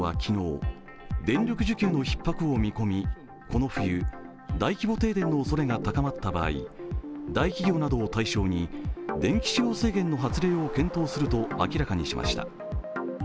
この冬、大規模停電のおそれが高まった場合、大企業などを大賞に電気使用制限の発令を検討すると明らかにしました。